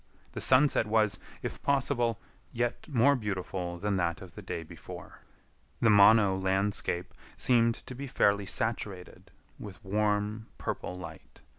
The sunset was, if possible, yet more beautiful than that of the day before. The Mono landscape seemed to be fairly saturated with warm, purple light.